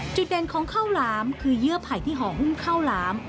จุดเด่นของข้าวหลามคือเยื่อไผ่ที่ห่อหุ้มข้าวหลาม